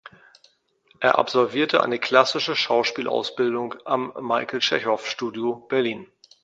Er absolvierte eine klassische Schauspielausbildung am Michael Tschechow Studio Berlin.